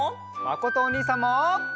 まことおにいさんも。